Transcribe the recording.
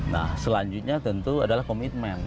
nah selanjutnya tentu adalah komitmen